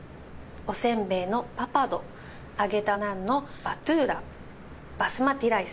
おせんべいのパパド揚げたナンのバトゥーラバスマティライス。